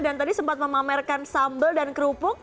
dan tadi sempat memamerkan sambal dan kerupuk